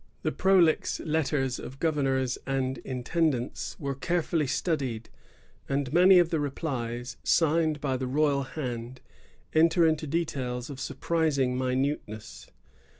The prolix letters of governors and intendants were carefully studied; and many of the replies, signed by the royal hand, enter into details of surprising minuteness.